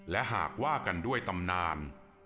และหากว่ากันด้วยตำนาน